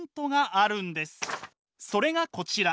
それがこちら！